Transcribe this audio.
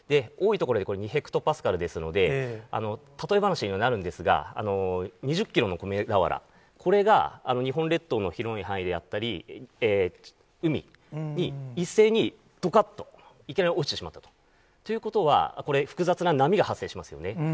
多い所でこれ、２ヘクトパスカルですので、例え話にはなるんですが、２０キロの米俵、これが日本列島の広い範囲であったり、海に一斉にどかっと、いきなり落ちてしまったと。ということは、これ、複雑な波が発生しますよね。